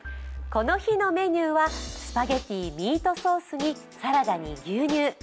この日のメニューはスパゲッティミートソースにサラダに牛乳。